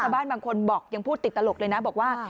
บ้านบางคนบอกยังพูดติดตลกเลยนะบอกว่า